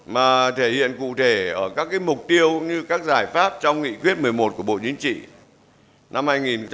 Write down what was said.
mà thể hiện cụ thể ở các mục tiêu như các giải pháp trong nghị quyết một mươi một của bộ chính trị năm hai nghìn một mươi tám